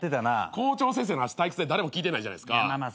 校長先生の話退屈で誰も聞いてないじゃないですか。